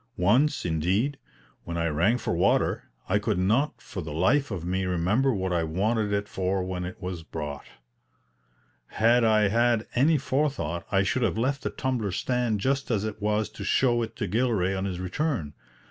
Once, indeed, when I rang for water, I could not for the life of me remember what I wanted it for when it was brought. Had I had any forethought I should have left the tumbler stand just as it was to show it to Gilray on his return.